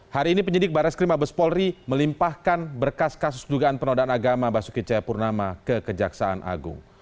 hari ini penyidik baris krim abes polri melimpahkan berkas kasus dugaan penodaan agama basuki cahayapurnama ke kejaksaan agung